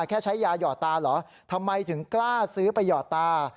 แค่ใช้ยาหยอดตาเหรอทำไมถึงกล้าซื้อไปหยอดตา